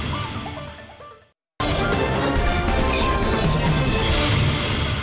saatnya kutip sejenis penguatan diowing kasih tau kanan